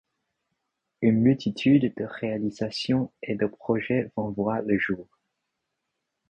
Une multitude de réalisations et de projets vont voir le jour.